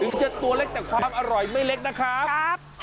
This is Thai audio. จะตัวเล็กแต่ความอร่อยไม่เล็กนะครับ